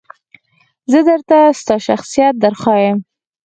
زه درته ستا شخصیت درښایم .